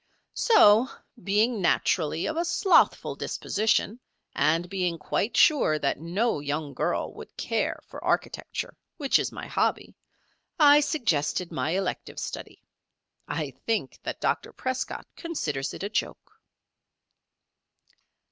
"So, being naturally of a slothful disposition, and being quite sure that no young girl would care for architecture, which is my hobby, I suggested my elective study. I think that Dr. Prescott considers it a joke."